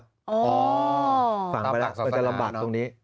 อ๋อต้องฝังไปแล้วมันจะลำบากตรงนี้